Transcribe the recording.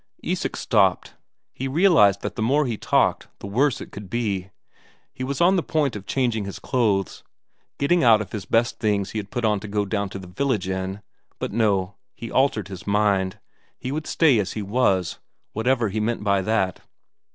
Isak stopped; he realized that the more he talked the worse it would be. He was on the point of changing his clothes, getting out of his best things he had put on to go down to the village in; but no, he altered his mind, he would stay as he was whatever he meant by that.